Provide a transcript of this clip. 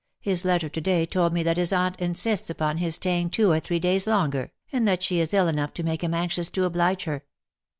His letter to day told me that his aunt insists upon his staying two or three days longer, and that she is ill enough to make him anxious to oblige her.''